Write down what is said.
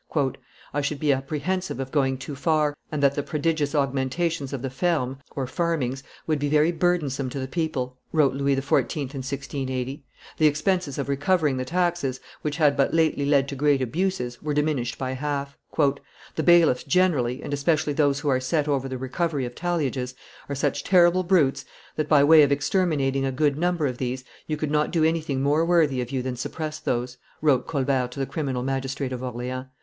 "I should be apprehensive of going too far, and that the prodigious augmentations of the fermes (farmings) would be very burdensome to the people," wrote Louis XIV. in 1680. The expenses of recovering the taxes, which had but lately led to great abuses, were diminished by half. "The bailiffs generally, and especially those who are set over the recovery of talliages, are such terrible brutes that, by way of exterminating a good number of these, you could not do anything more worthy of you than suppress those," wrote Colbert to the criminal magistrate of Orleans.